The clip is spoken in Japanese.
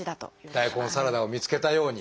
大根サラダを見つけたように。